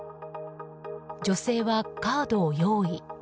女性はカードを用意。